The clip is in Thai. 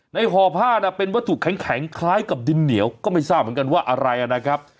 ห่อผ้าน่ะเป็นวัตถุแข็งคล้ายกับดินเหนียวก็ไม่ทราบเหมือนกันว่าอะไรนะครับ